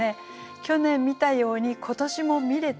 去年見たように今年も見れている。